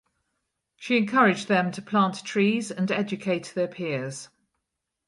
She encouraged them to plant trees and educate their peers.